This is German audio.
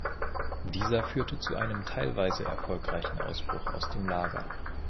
Dieser führte zu einem teilweise erfolgreichen Ausbruch aus dem Lager.